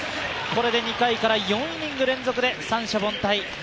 これで２回から４イニング連続で三者凡退。